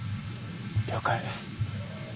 了解。